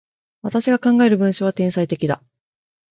私が考える文章は、天才的だ。